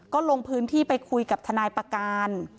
ก็ลงพื้นที่ไปคุยกับทนายประการ